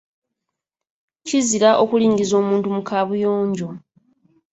Kizira okulingiza omuntu mu kaabuyojo.